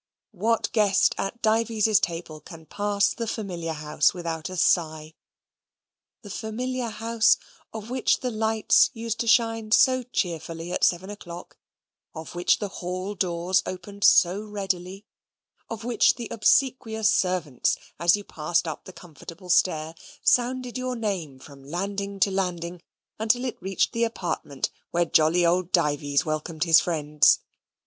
What guest at Dives's table can pass the familiar house without a sigh? the familiar house of which the lights used to shine so cheerfully at seven o'clock, of which the hall doors opened so readily, of which the obsequious servants, as you passed up the comfortable stair, sounded your name from landing to landing, until it reached the apartment where jolly old Dives welcomed his friends!